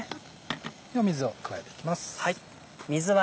では水を加えていきます。